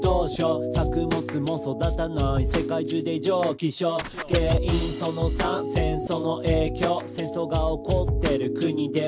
「作物も育たない世界中で異常気象」「原因その３戦争の影響」「戦争が起こってる国では」